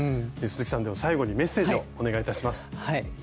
鈴木さんでは最後にメッセージをお願いいたします。